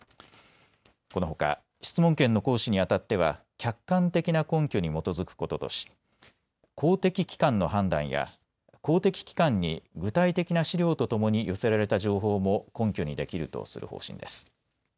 このほか質問権の行使にあたっては客観的な根拠に基づくこととし公的機関の判断や公的機関に具体的な資料とともに寄せられた情報も根拠にできるとする方針です。